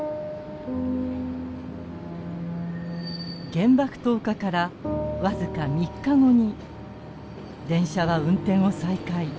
原爆投下から僅か３日後に電車は運転を再開。